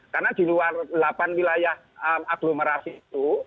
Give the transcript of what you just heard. karena di luar delapan wilayah aglomerasi itu